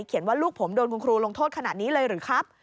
ว่าลูกผมโดนคุณครูลงโทษขนาดนี้เลยหรือครับ